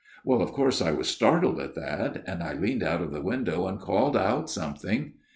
" Well of course I was startled at that, and I leaned out of the window and called out some thing.